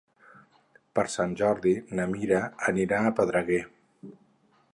Per Sant Jordi na Mira anirà a Pedreguer.